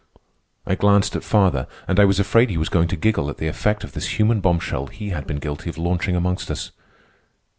I glanced at father, and I was afraid he was going to giggle at the effect of this human bombshell he had been guilty of launching amongst us.